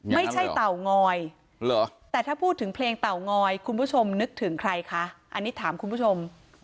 เตางอยแต่ถ้าพูดถึงเพลงเต่างอยคุณผู้ชมนึกถึงใครคะอันนี้ถามคุณผู้ชม